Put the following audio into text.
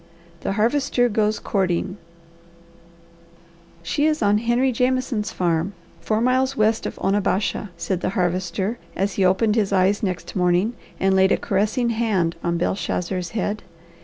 THE HARVESTER GOES COURTING "She is on Henry Jameson's farm, four miles west of Onabasha," said the Harvester, as he opened his eyes next morning, and laid a caressing hand on Belshazzar's head.